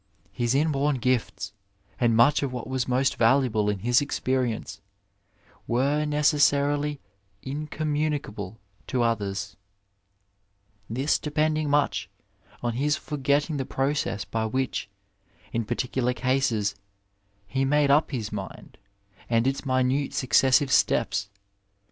His inborn gifts, and much of what was most valuable in his experience, were necessarily incommunicable to others; this depending much on his forgetting the process by which, in particular cases, he made up his mind, and its minute successive steps